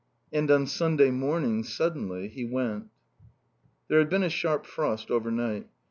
And on Sunday morning, suddenly, he went. There had been a sharp frost overnight.